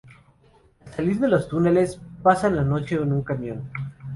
Al salir de los túneles, pasan la noche en un camión.